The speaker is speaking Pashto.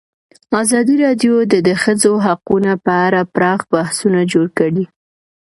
ازادي راډیو د د ښځو حقونه په اړه پراخ بحثونه جوړ کړي.